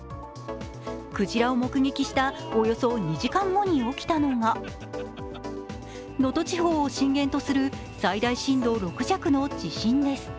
くじらを目撃したおよそ２時間後に起きたのが能登地方を震源とする最大震度６弱の地震です。